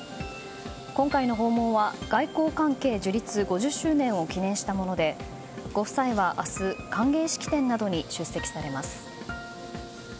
今回の訪問は外交関係樹立５０周年を記念したものでご夫妻は明日歓迎式典などに出席されます。